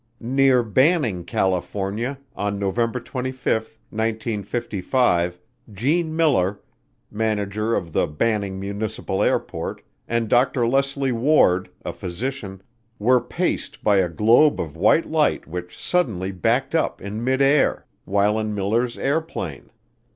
Near Banning, California, on November 25, 1955, Gene Miller, manager of the Banning Municipal Airport and Dr. Leslie Ward, a physician, were paced by a "globe of white light which suddenly backed up in midair," while in Miller's airplane.